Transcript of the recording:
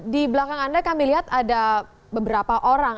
di belakang anda kami lihat ada beberapa orang